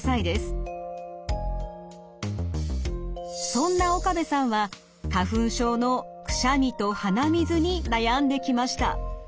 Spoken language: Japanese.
そんな岡部さんは花粉症のくしゃみと鼻水に悩んできました。